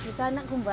itu anak kumbahan